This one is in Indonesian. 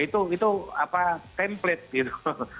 itu itu apa template gitu